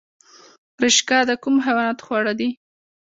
رشقه د کومو حیواناتو خواړه دي؟